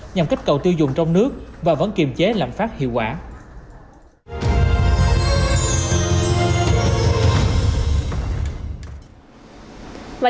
nhằm kích cầu tiêu dùng trong nước và vẫn kiềm chế lạm phát hiệu quả